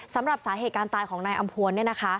สำหรับสาเหตุการณ์ตายของนายอำพวน